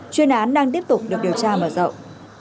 chuyên án đang tiếp tục được điều tra mở rộng